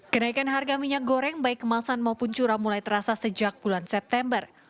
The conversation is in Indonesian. kenaikan harga minyak goreng baik kemasan maupun curah mulai terasa sejak bulan september